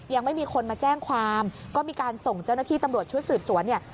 ยังไม่มีคนมาแจ้งความก็มีการส่งเจ้าหน้าที่ตำรวจชุดสืบสวนเนี่ย